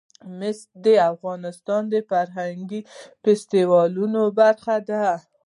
مس د افغانستان د فرهنګي فستیوالونو برخه ده.